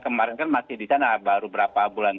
kemarin kan masih di sana baru berapa bulan